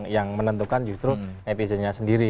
yang menentukan justru netizennya sendiri